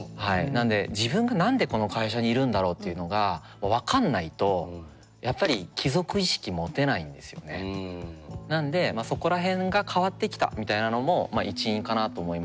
なので「自分が何でこの会社にいるんだろう？」っていうのが分かんないとやっぱりなんでそこら辺が変わってきたみたいなのも一因かなと思いますね。